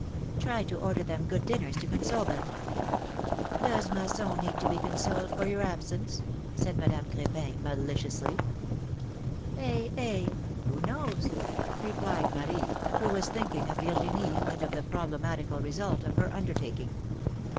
^'Try to order them good dinners to console them." Does Masson need to be consoled for your absence ?" said Madame Crepin, maliciously. ^^Eh! eh! Who knows?" replied Marie, who was thinking of Virginie, and of the problematical result of her undertaking.